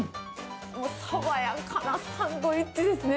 もう爽やかなサンドイッチですね。